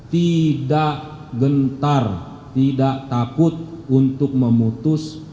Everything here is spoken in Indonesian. tidak gentar tidak takut untuk memutus